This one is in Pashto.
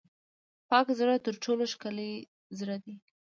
پاک زړه تر ټولو ښکلی زړه دی.